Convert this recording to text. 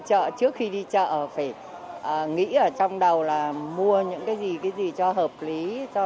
trước khi đi chợ phải nghĩ ở trong đầu là mua những cái gì cái gì cho hợp lý